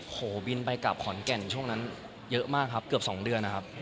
บินไปกลับขอนแก่นช่วงนั้นเยอะมากครับเกือบ๒เดือนนะครับ